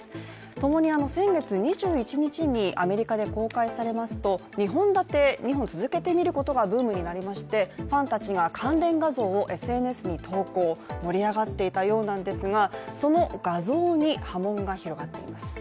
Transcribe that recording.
ともに先月２１日にアメリカで公開されますと２本立て、２本続けて見ることがブームになりまして、ファンたちが関連画像をＳＮＳに投稿、盛り上がっていたようなんですが、その画像に波紋が広がっています。